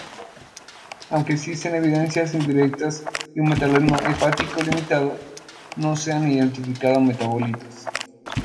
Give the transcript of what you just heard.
Aunque existen evidencias indirectas de un metabolismo hepático limitado, no se han identificado metabolitos.